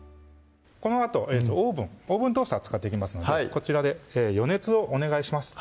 このあとオーブンオーブントースター使っていきますのでこちらで予熱をお願いします